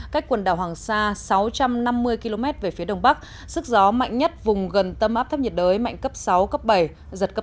cách quần đảo hoàng sa sáu trăm năm mươi km về phía đông bắc sức gió mạnh nhất vùng gần tâm áp thấp nhiệt đới mạnh cấp sáu cấp bảy giật cấp một mươi hai